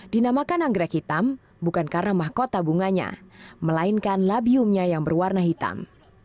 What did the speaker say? dinamakan anggrek hitam bukan karena mahkota bunganya melainkan labiumnya yang berwarna hitam